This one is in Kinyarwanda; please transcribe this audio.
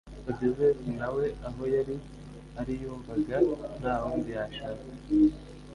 Odysseus nawe aho yari ari yumvaga ntawundi yashaka.